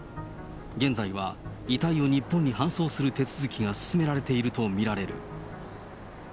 現在は、遺体を日本に搬送する手続きが進められていると見られる。